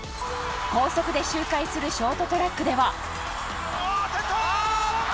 高速で周回するショートトラックでは。